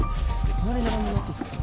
隣並んでもらっていいすか？